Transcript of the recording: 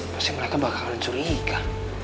pasti mereka bakalan curiga